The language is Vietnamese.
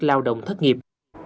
lao động thất nghiệp